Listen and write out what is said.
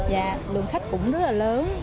và lượng khách cũng rất là lớn